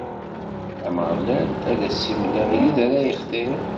Ameɣlal ad as-imel abrid ara yextir.